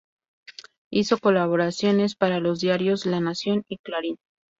Hizo colaboraciones para los diarios "La Nación" y "Clarín".